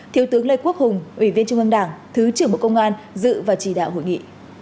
thiếu tướng lê quốc hùng ủy viên trung ương đảng thứ trưởng bộ công an dự và chỉ đạo hội nghị